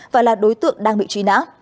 và là đối tượng đang bị truy nã